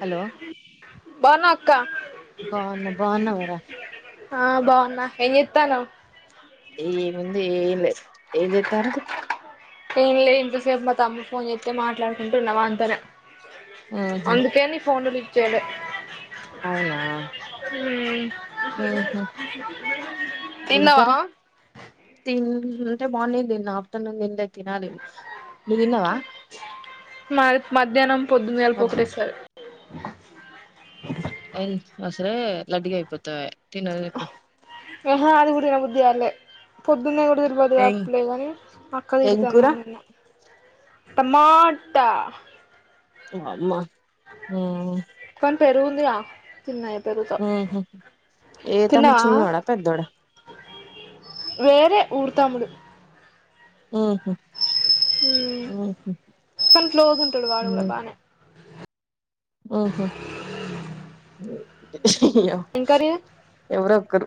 Hello బాగున్నా అక్క బావున్న బావున్న వరా ఆ బావున్న ఏం జేత్తానవ్ ఏ ముంది ఏం లే ఏం జేత్తారు ఏం లే ఇంతసేపు మా తమ్మడు ఫోన్ జేత్తే మాట్లాడుకుంటున్న వంతోనే ఉహు అందుకే ని ఫోన్లు లిఫ్ట్ చేయలే అవునా మ్మ్ మ్మ్ హు ఇంక తిన్నావా రా తీంటె మార్నింగ్ దిన్న ఆఫ్టర్నూన్ దిన్లే తినాలి నువ్వు తిన్నావా మాది మధ్యాహ్నం పొద్దున్న గలిపి మద్ ఒకటే సారి అయిన్ అసలే లడ్డు గయిపోతావె తినకు అహా అది గూడ దినబుద్ది గాట్లె పొద్దున్న గూడ దినబుద్ధి ఏం గావట్లే గనీ అక్క ఏం తిడతాంది. కూర అని తిన్న టమాట వామ్మ మ్మ్ కని పెరుగుందిగా తిన్నాది ఇగ పెరుగుతొ మ్మ్ హు ఏ తమ్ముడు చిన్నోడా పెద్దొడా వేరే ఊరి తమ్ముడు మ్మ్ హు మ్ కని క్లోజ్ ఉంటడు వాడు గూడ బానే ఉహ్ అయ్యో ఏం కర్రీ ఎవరొక్కరు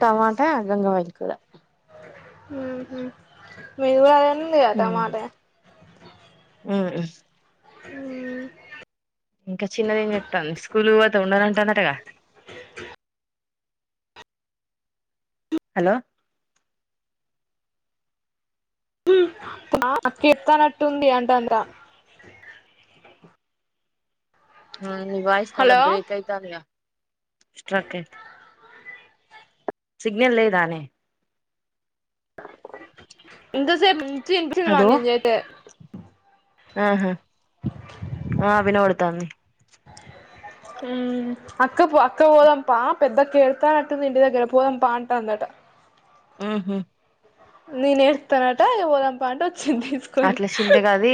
టమాటా గంగ వాయిల్ కూర. ఉహ్ నువ్వు గాదు వండిందిగా టమాటె ఉహ్ మ్మ్ ఇంక చిన్నదేం జేత్తాంది. స్కూలు కు పొతే ఉండనం దాంటగా హలో మ్మ్ ఆ అక్క చెప్తానట్టుంది అంటది రా మ్మ్ నీ వాయిస్ మళ్ళ హలో బ్రేక్ అయి తానియ స్ట్రకయ్ సిగ్నల్ లేదానే ఇంతసేపు మంచిగ ఇనిపించిదిగా నేను జెత్తే ఆహ ఆ వినపడతాంది హ్మ్ అక్క పొ అక్క పోదం పా పెద్దక్క ఏడుతానట్టుంది ఇంటి దగ్గర పోదాం పా అంటాందట ఊహు. నేను ఎడుత్తనటా ఇగ పొదం పా అంటె వచ్చింది తీసుకొని అట్ల షింత గదీ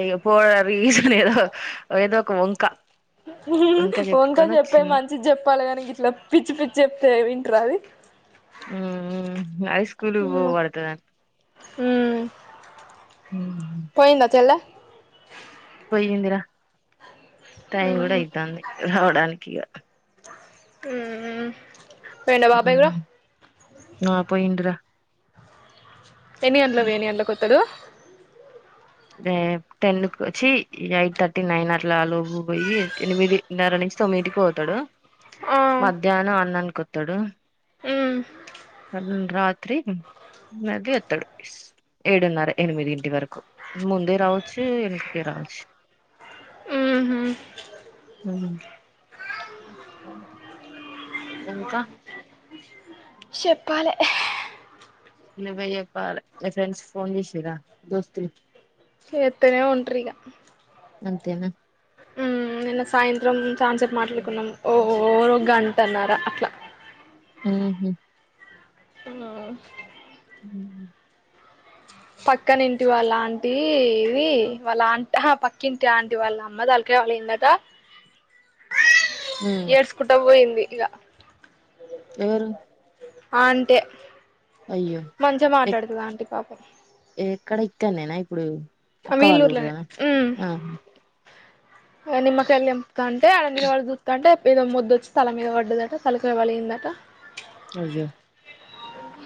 ఇగ పోడ రీజన్ ఏదో ఏదొ ఒక వంక వంక చెప్పుకొని చెప్పే వచ్చింది మంచిది చెప్పాలి గానీ గిట్ల పిచ్చి పిచ్చి చెప్తే వింట్రా అది మ్హ్ హైస్కూలు పోవడతదన్ మ్ పోయిందా చెల్లె పోయిందిరా టైం గూడ ఉహు అయితాంది రావడానికి ఇగ హ్మ్ హ్మ్ ఆ పోయిందిరా ఎన్ని గంట్లకు ఎన్ని గండ్లకు కొత్తాడు ఏటెన్కు ఛీ ఎయిట్ థర్టీ నైన్ అట్లా లోపు పోయి ఎనిమిది న్నర నుంచి తొమ్మిటీకి పోతాడు ఆ మధ్యాహ్నం అన్ననికొతాడు. హ్ రాత్రి నది అత్తడు ఏడున్నర ఎనిమిది ఇంటి వరకు ముందే రావచ్చు ఎనకకే రావచ్చు ఉహు ఉహ్ ఇంకా చెప్పాలే హ నువ్వె చెప్పాలే మీ ఫ్రెండ్స్ ఫోన్ చేసిరా దోస్తలు చేత్తనే ఉంట్రిగా అంతేనా ఉమ్ నిన్న సాయంత్రం చాన్సేప్ప మాట్లాడుకున్నాం ఓ గంటన్నారా అట్లా ఉహు ఆహ్ ఉహు పక్కనింటి వాళ్ళ ఆంటి ఇది వాళ్ళ ఆ పక్కింటి ఆంటి వాళ్ళ అమ్మ తలకాయ్ పగిలిందట ఏడ్సంకుంటా పోయింది ఇగ ఎవరు అంటీ అయ్యో ఎ ఆంటీ పాపం ఎక్కడిక్క నేనా ఇప్పుడు అక్క వాళ్ళ వీళ్ళుర్లానే ఊర్లోనా ఉమ్ ఆహా నిమ్మకయలి తెంప్తాంటే ఆడనిలవడి చూత్తంటే ఏదో ముద్దొచ్చి తల మీద పడ్డదట తల్కాయ పలిగిందట అయ్యో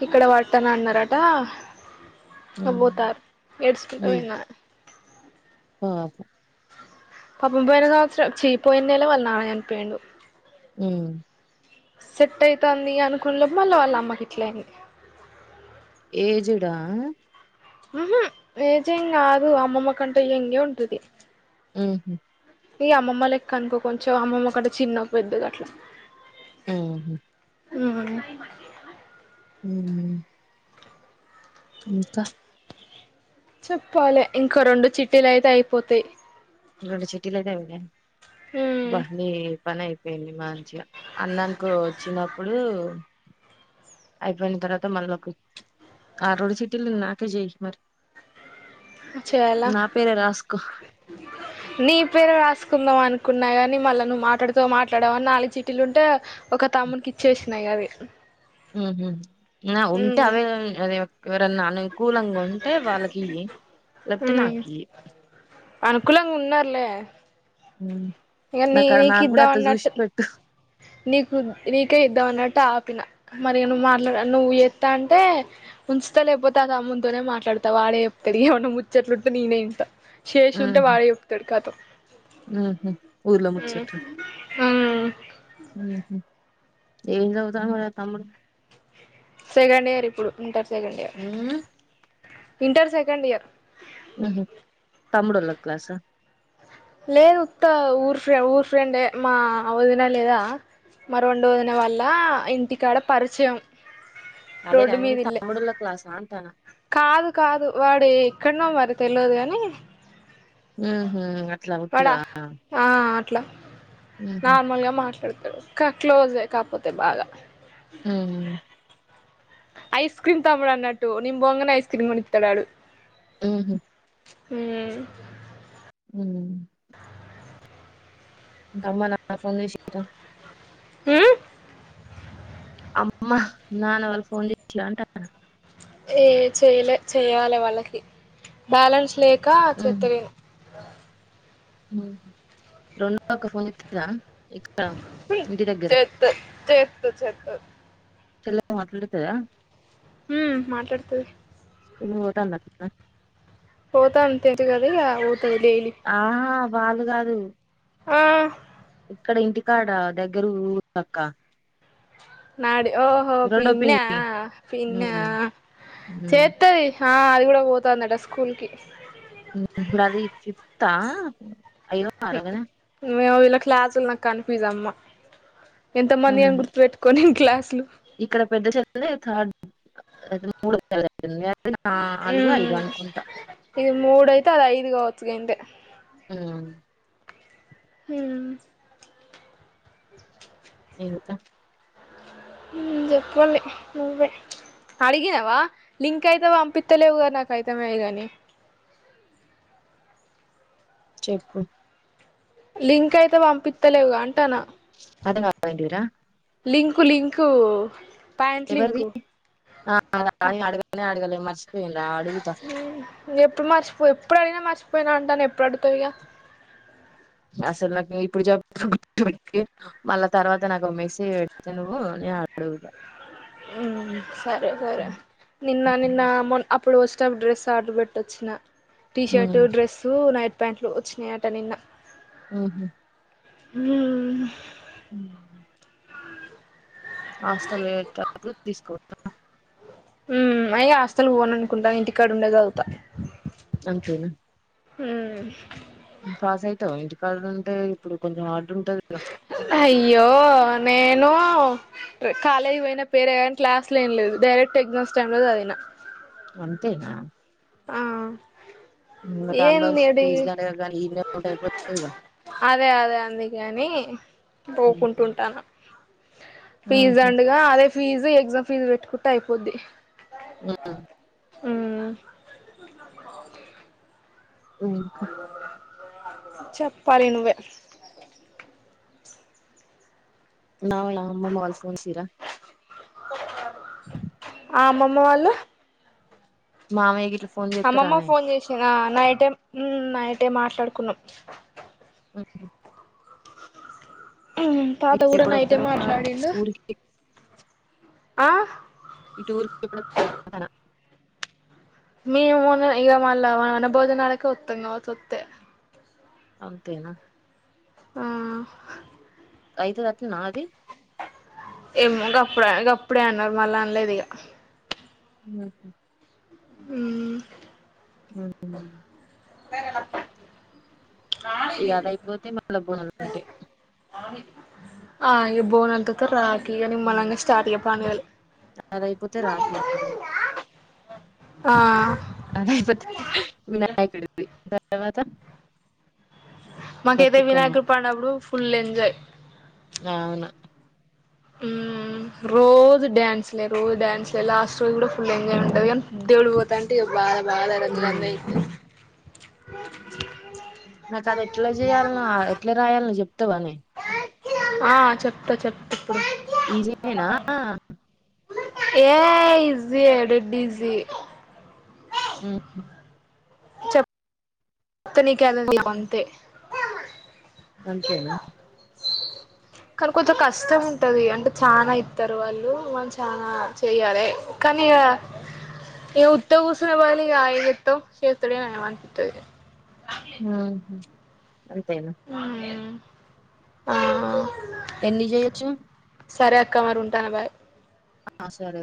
ఇక్కడ పట్టన అన్నారట ఇగ ఉమ్ బోతారు ఏడ్చుకుంటూ పోన తర్వత పపం పోయిన సంవత్సం చీ పోయినెల వాళ్ళ నాన్న చనిపోయిండు ఉహ్ సెట్టైతంది అనుకున్న మళ్ళీ వాళ్ళ అమ్మకి ఇట్లైంది ఏజుడా ఉహు ఏజం కాదు అమ్మమ్మ కంట ఎంగే ఉంటది ఉహు ఇగ అమ్మమ్మ లెక్కనుకో కొంచెం అమ్మమ్మ కట్టె చిన్న పెద్ద అట్లా ఊహు ఉహ్ ఉహ్ ఇంకా చెప్పాలి ఇంకో రెండు చిటీలైతే అయిపోతాయి రెండు చిటిలైతేన్నా ఉమ్ ఆబ్బ నీ పనైపోయింది మంచిగా అన్నానికు ఒచ్చినప్పుడు అయిపోయిన తర్వాత మళ్ళీ ఒక ఆ రోండు సీటీలున్నాకే జేయ్ మరి చెయలా నా పేరే రాసుకో [inaudible] నీ పేరు రాస్కుందామనుకున్నా గాని మళ్ళా నువ్వు మాట్లాడ్త మాట్లాడవని నాలుగు చిట్టిలుంటే ఒక తమ్ముడ్కిచ్చేసినా ఇగ అవి ఉహు నా ఉంటే ఉమ్ అవే అదే ఎవరన్నా అనుకూలంగా ఉంటే వాళ్ళకీ లేక్పోతే నాకీ అనుకులేంగున్నార్లే ఉ ఇవ్వని నీకు ఇద్దమానట్టు నీకు నీకే ఇద్దాం అన్నట్టు ఆపిన మరి నువ్వు మాట్లాడ నువ్వు ఎత అంటే ఉంచుతా లేకపోతే ఆ తమ్ముని తోనే మాట్లాడతా వాడే చెప్తడు ఏమన్నా ముచ్చట్లుంటే నేనే ఇంటా చేసి ఉంటే వాడే చెప్తాడు కతం ఆహ హ్మ్ ఎం చదువుతాండు మరి ఆహ్ తమ్ముడు సెకండ్ ఇయర్ ఇప్పుడు బీటెక్ సెకండ్ ఇయర్ హ్మ్ ఇంటర్ సెకండ్ ఇయర్ అదే తమ్ముడూలా క్లాసా లేదు ఉత్త ఉరి ఫ్రెండే మ వదిన లేదా మ రెండు వొదిన వల్ల ఇంటికాడ పరిచయం అదే రోడ్డు కానీ మీద ఇల్లే తమ్ముడులో క్లాసా అంటాను కాదు కాదు వాడ్ ఎక్కడనో మరి తెల్వదు గని హ్మహమ్ అట్లా వాడా ఉటిగా ఆ అట్లా నార్మల్గా మాట్లాడతాడు క క్లోజే కాకపోతే బాగా హ్మ్ ఐస్ క్రీమ్ తమ్ముడు అన్నట్టు నేన్ బోగానే ఐస్ క్రీమ్ కొని ఇతడు ఆడు హ్మ్ హ్మ్ హ్మ్ అమ్మ నాకు ఉంది షటం హ్మ్ అమ్మ నాన్న వాళ్ళు ఫోన్ చేసలే అంటానా ఏ చేయలే చేయాలి వాళ్ళకి బ్యాలెన్స్ లేక చెత్తలేను రొ న్దాకా ఫోన్ చేతదా నీకు చేతే చేతే చేతది చేతది చెల్లె మాట్లాడతదా హ్మ్ మాట్లాడుతది హోటల్ పోతే లేదు కదా ఇంకా మొత్తం డైలీ ఆహా బాలు కాదు ఆ ఇక్కడ ఇంటికాడ దగ్గర ఊరు పక్క నాడి ఓహో రెండో పిన్నా పిన్ని పిన్నా ఉమ్ చేతది ఆ అది కూడా పోతాందట స్కూల్కి ఇప్పుడు అది ఫిఫ్తా అయ్యో అరగనా ఏమో ఇలా క్లాసులు నాకు కన్ఫ్యూజ్ అమ్మా ఎంత మంది అని ఉమ్ గుర్తుపె కొన్ని క్లాస్లు ఇక్కడ పెద్ద చె థర్డ్ మూడు చెల్లె న నాలుగు ఐదు ఉమ్ అనుకుంటా ఇది మూడుయితే అది ఐదు కావచ్చు గంతే ఆ ఆ ఇంకా ఉమ్మ్ చెప్పండి నువ్వే అడిగినవా, లింక్ అయితే పంపితేలేవ్ గా నాకైతా మాయేగని చెప్పు లింకైతే పంపిత్తలేవ్ గా అంటాన్నా అర్ధంగాలే ఏంటిదిరా లింకు, లింకు ప్యాంట్ ఎవర్ది, లింకు ఆ సార్ నీ అడగానే అడగలే మర్చిపోయిన్రా అడుగుతా ఉమ్ ఎపుడుమర్చిపో ఎప్పుడడిగినా మర్చిపోయినా అంటాన్నవ్, ఎప్పుడు అడుగుతవ్ ఇగా అసలు నాకు ఇప్పుడు జెప్ [unintelligible] మళ్ళా తర్వాత నాకు ఓ మేసేజ్ పెడ్తే నువ్వు నే అడ్గుతా. ఉమ్ సరే సరే నిన్న నిన్న, మొన్ అప్పుడు ఒచ్చేటప్పుడు డ్రెస్ ఆర్డర్ పెట్టొచ్చిన్నా. టీషట్టూ, ఉమ్ డ్రెస్సు, నైట్ ప్యాంట్లు ఒచ్చినయట నిన్న. ఉహుమ్ హుమ్మ్ ఉమ్మ్ హాస్టల్లో ఎట్టా అపుడు తీస్కో [inaudible] ఉమ్ [unintelligible] హాస్టల్ పోననుకుంటాన్న, ఇంటికాడఉండే చదువు గంతేనా హుమ్మ్ ఫాసైతవా ఇంటి కాడుంటే, ఇప్పుడు కొంచం హార్డ్ ఉంటదిగా. అయ్యో నేను కాలేజ్పోయిన పేరే గానీ, క్లాస్లేం లేదు డైరెక్ట్ ఎగ్జామ్స్ టైంలో సద్విన. వంతేనా ఆ ఇంగ దాని బదలు ఏంది ఏడి ఫీజ్ దండగ గానీ, ఈన్నే ఉంటే అయిపోతదిగా. గాని పోకుంటుంటాన్న ఫీజ్ ఉహు దండుగా, అదే ఫీజ్ ఎగ్జామ్ ఫీజ్ పెట్టుకుంటే అయిపోద్ది. ఉమ్మ్ ఉమ్ ఉమ్ ఇంకా చెప్పాలి నువ్వే నాగోల్ నాగమ్మమ్మ వాళ్ళు ఫోన్షిరా. ఆ అమ్మమ్మ వాళ్ళు మామయ్య గిట్ల అమ్మమ్మ ఫోన్ జేసిన్, ఆ నైటే ఉమ్ నైటే మాట్లాడుకున్నాం. ఎప్పుడు ఉమ్ తాత గూడా నైటే మాట్లాడిండు. టి ఆ ఇట్ ఉర్కి ఎప్పుడొత్తార్ అంటన్నా. మీరు మొన్న ఇగ మళ్ళా వన భోజనాలకే ఒత్తం గావచ్చు ఒత్తే. అంతేనా ఆ ఐతదట్నాది ఏమో గప్పుడ గప్పుడే అన్నారు మళ్ళా అన్లేదు ఇగ ఉహు ఊమ్ [unintelligible] [unintelligible] ఇగ అదైపోతే మళ్ళ బోనాలుంటై ఆ ఇగ బోనాల్ త త రాఖీ ఇగ నిమ్మలంగ స్టార్ట్ ఇగ పండుగలు అదయిపోతే రాఖీ ఉండదు ఆ అదైపోతే వినాయకుడుది దాని తర్వాత మాకైతే బతుకమ్మ వినాయకుడు పండప్పుడు ఫుల్ ఎంజాయ్ గావున ఉమ్ రోజు డాన్స్లే రోజు డాన్స్లే లాస్ట్ రోజు కూడా ఫుల్ ఎంజాయ్ ఉంటది గాని దేవుడు పో తాంటే బాద బాద ఉమ్. రంగురంగయితయ్ నాకది ఎట్ల జెయాల్నా ఎట్ల రాయాల్నో చెప్తవనె ఆ చెప్తా చెప్త ఇప్పుడు ఈజి నేనా a easy a dead easy ఉ హు [unintelligible] అంతే అంతేనా కాని కొంచెం కష్టం ఉంటది అంటే చానా ఇత్తరు వాళ్ళు మన చానా చెయ్యాలే కానీ ఇగా ఇగా ఉత్త కూసునేబదులు ఇగా ఏం జేత్తవు చేేత్తడే అనిమనిపిత్తది ఉహు అంతేనా ఉమ్ ఆ ఎన్ని చేయొచ్చు సరే అక్క మరి ఉంటాను బాయ్ ఆ సరే